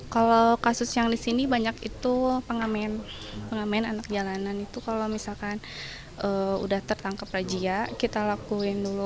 kalau kasus yang di sini banyak itu pengamen anak jalanan itu kalau misalkan udah tertangkap rajia kita lakuin dulu